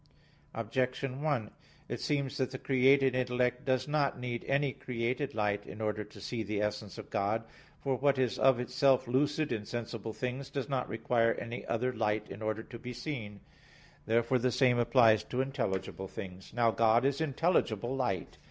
Objection 1: It seems that the created intellect does not need any created light in order to see the essence of God. For what is of itself lucid in sensible things does not require any other light in order to be seen. Therefore the same applies to intelligible things. Now God is intelligible light.